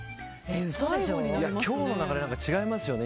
今日の流れ、何か違いますよね